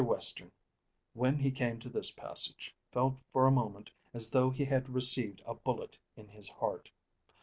Western, when he came to this passage, felt for a moment as though he had received a bullet in his heart.